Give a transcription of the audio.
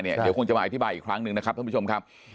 เดี๋ยวคงจะมาอธิบายอีกครั้งหนึ่งนะครับท่านผู้ชมครับ